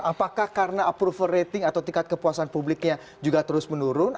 apakah karena approval rating atau tingkat kepuasan publiknya juga terus menurun